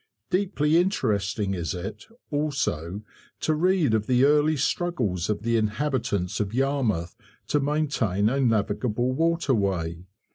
Deeply interesting is it, also, to read of the early struggles of the inhabitants of Yarmouth to maintain a navigable waterway.